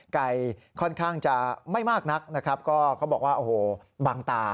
ไก่ค่อนข้างจะไม่มากนักนะครับก็เขาบอกว่าโอ้โหบางตา